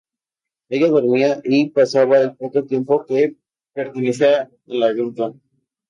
En ella dormía y pasaba el poco tiempo en que permanecía en la gruta.